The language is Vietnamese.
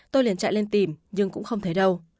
tôi liền chạy lên tìm nhưng cũng không thấy đâu